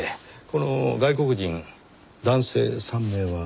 この外国人男性３名は？